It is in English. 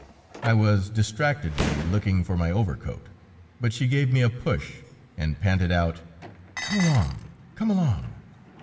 I was distractedly looking for my overcoat, but she gave me a push, and panted out: "Come along, come along."